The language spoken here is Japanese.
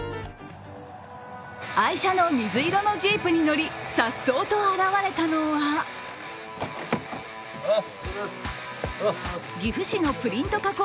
愛車の水色のジープに乗りさっそうと現れたのは岐阜市のプリント加工